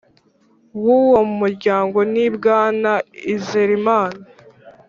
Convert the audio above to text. W uwo muryango ni bwana izerimana